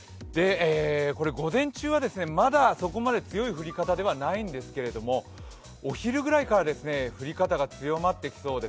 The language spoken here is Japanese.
午前中はまだそこまで強い降り方ではないんですけれども、お昼ぐらいから降り方が強まってきそうです。